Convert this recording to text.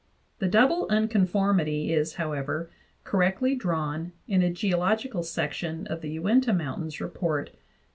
The double unconformity is, however, correctly drawn in a geological section of the Uinta Mountains report (p.